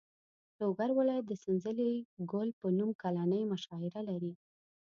لوګر ولایت د سنځلې ګل په نوم کلنۍ مشاعره لري.